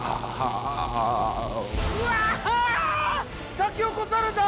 先を越された！